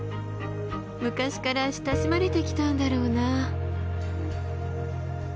昔から親しまれてきたんだろうなあ。